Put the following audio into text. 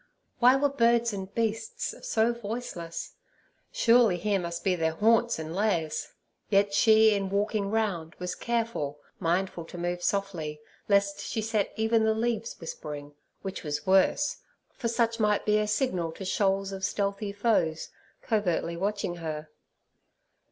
Why were birds and beasts so voiceless? Surely here must be their haunts and lairs. Yet she, in walking round, was careful, mindful to move softly, lest she set even the leaves whispering, which was worse, for such might be a signal to shoals of stealthy foes covertly watching her.